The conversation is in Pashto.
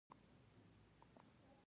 توپک ښوونځي ورانوي.